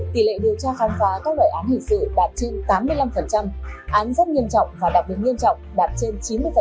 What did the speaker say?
tỷ lệ điều tra khám phá các loại án hình sự đạt trên tám mươi năm án rất nghiêm trọng và đặc biệt nghiêm trọng đạt trên chín mươi